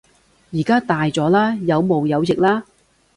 而家大咗喇，有毛有翼喇